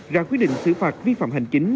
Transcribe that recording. ra quyết định xử phạt vi phạm hành